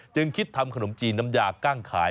จึงคิดทำขนมจีนน้ำยากั้งขาย